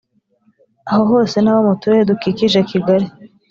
aho hose n abo mu turere dukikije Kigali